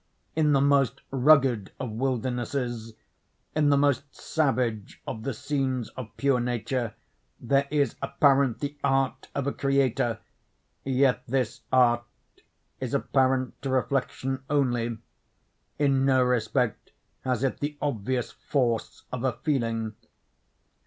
In the most rugged of wildernesses—in the most savage of the scenes of pure nature—there is apparent the art of a creator; yet this art is apparent to reflection only; in no respect has it the obvious force of a feeling.